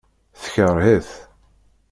Tekreh-it.